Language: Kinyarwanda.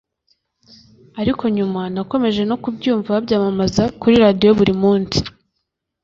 ariko nyuma nakomeje no kubyunva babyamamaza kuri radiyo buri munsi